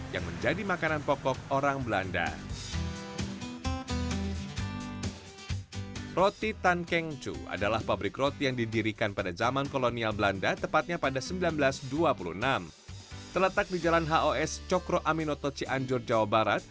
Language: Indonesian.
yang paling penting adalah konsistensi rasa